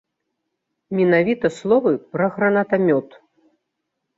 Менавіта словы пра гранатамёт.